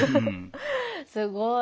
すごい。